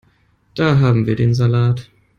Da haben wir den Salat.